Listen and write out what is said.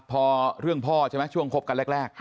พอเรื่องพ่อใช่ไหมช่วงคบกันแรก